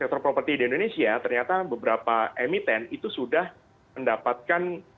sektor properti di indonesia ternyata beberapa emiten itu sudah mendapatkan